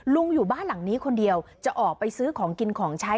อยู่บ้านหลังนี้คนเดียวจะออกไปซื้อของกินของใช้